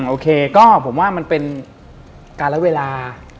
โอเคก็ผมว่ามันเป็นการละเวลา